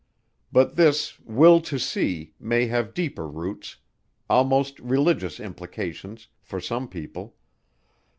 But this "will to see" may have deeper roots, almost religious implications, for some people.